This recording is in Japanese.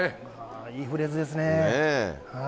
いいフレーズですね。